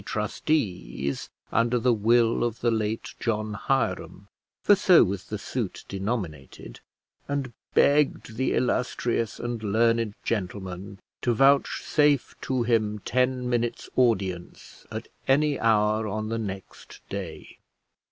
Trustees under the will of the late John Hiram," for so was the suit denominated, and begged the illustrious and learned gentleman to vouchsafe to him ten minutes' audience at any hour on the next day.